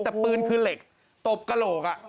แต่ปืนคือเหล็กตบกระโหลก